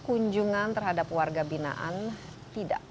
kunjungan terhadap warga binaan tidak